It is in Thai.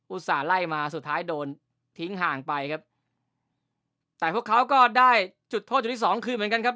ส่าห์ไล่มาสุดท้ายโดนทิ้งห่างไปครับแต่พวกเขาก็ได้จุดโทษจุดที่สองคืนเหมือนกันครับ